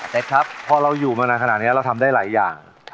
ครับพอเราอยู่มานานขนาดนี้เราทำได้หลายอย่าง